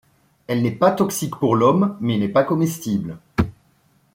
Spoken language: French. Elle n'est pas toxique pour l'homme mais n'est pas comestible.